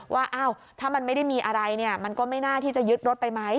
ว่าถ้ามันไม่ได้มีอะไรเนี่ยมันก็ไม่น่าที่จะยึดรถไปไหม